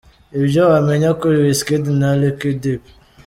Ibyo wamenya kuri Wizkid na Liquideep.